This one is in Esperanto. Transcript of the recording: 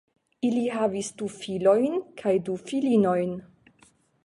Ili havis du filojn kaj du filinojn.